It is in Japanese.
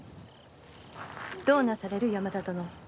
どうなされる山田殿。